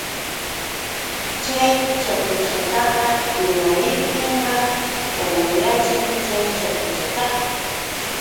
Chay chapuchataqa rimariptinqa wañurachin chay chapuchataqa.